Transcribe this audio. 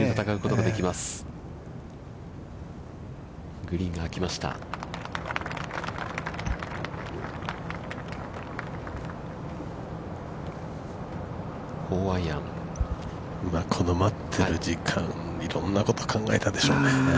◆この待っている時間、いろんなことを考えたでしょうね。